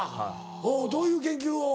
おうどういう研究を？